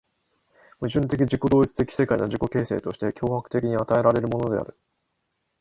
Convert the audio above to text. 矛盾的自己同一的世界の自己形成として強迫的に与えられるのである。